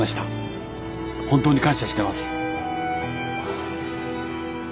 本当に感謝してます。